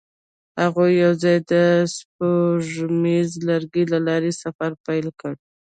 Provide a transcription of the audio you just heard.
هغوی یوځای د سپوږمیز لرګی له لارې سفر پیل کړ.